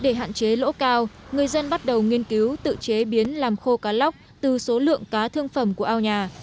để hạn chế lỗ cao người dân bắt đầu nghiên cứu tự chế biến làm khô cá lóc từ số lượng cá thương phẩm của ao nhà